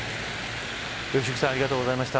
良幸さんありがとうございました。